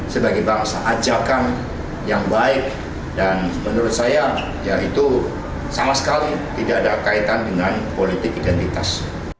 sebagai bangsa ajakan yang baik dan menurut saya ya itu sama sekali tidak ada kaitan dengan politik identitas